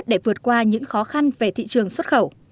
để vượt qua những khó khăn về thị trường xuất khẩu